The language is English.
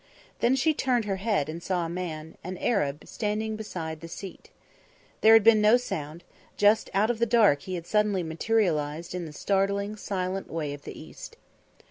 Then she turned her head and saw a man, an Arab, standing beside the seat. There had been no sound; just out of the dark he had suddenly materialised in the startling, silent way of the East.